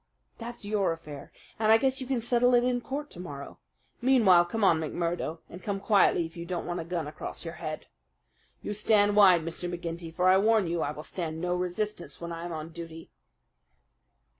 "That's your affair, and I guess you can settle it in court to morrow. Meanwhile, come on, McMurdo, and come quietly if you don't want a gun across your head. You stand wide, Mr. McGinty; for I warn you I will stand no resistance when I am on duty!"